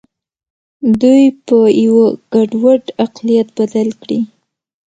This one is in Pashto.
دوی په یوه ګډوډ اقلیت بدل کړي.